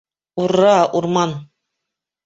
- Ур-ра, урман!